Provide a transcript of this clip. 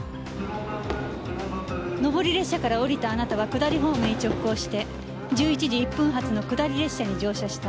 上り列車から降りたあなたは下りホームに直行して１１時１分発の下り列車に乗車した。